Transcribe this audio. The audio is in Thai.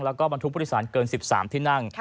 แล้วก็บรรทุกผู้โดยสารเกิน๑๓ที่นั่ง